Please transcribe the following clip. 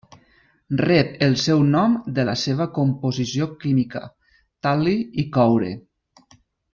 Rep el seu nom de la seva composició química: tal·li i coure.